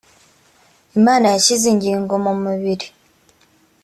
imana yashyize ingingo mu mubiri